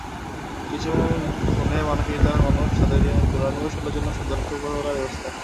কিছু খুনে মানসিকতার মানুষ এবং তাদের রণকৌশলের জন্যই এত সতর্ক প্রহরার ব্যবস্থা!